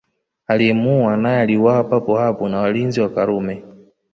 Aliyemuua naye aliuawa papo hapo na walinzi wa Karume